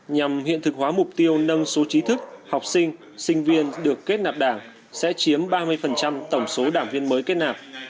nhằm hiện thực hóa mục tiêu nâng số trí thức học sinh sinh viên được kết nạp đảng sẽ chiếm ba mươi tổng số đảng viên mới kết nạp